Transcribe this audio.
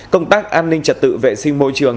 công tác an ninh trật tự vệ sinh môi trường